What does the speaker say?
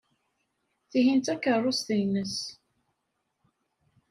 Tihin d takeṛṛust-nnes.